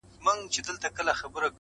د محبت کچکول په غاړه وړم د ميني تر ښار ،